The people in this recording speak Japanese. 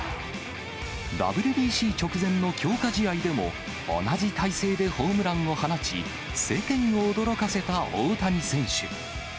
ＷＢＣ直前の強化試合でも、同じ体勢でホームランを放ち、世間を驚かせた大谷選手。